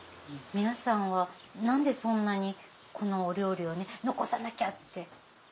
皆さんは何でそんなにこのお料理を残さなきゃって。